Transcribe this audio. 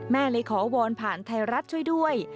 แม่เลยขอวอนผ่านไทยรัฐช่วยด้วย